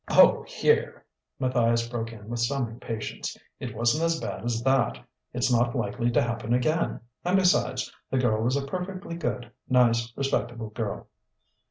"Oh, here!" Matthias broke in with some impatience. "It wasn't as bad as that. It's not likely to happen again ... and besides, the girl was a perfectly good, nice, respectable girl.